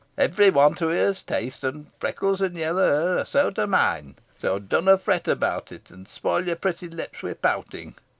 "Every one to his taste, an freckles an yellow hure are so to mine. So dunna fret about it, an spoil your protty lips wi' pouting.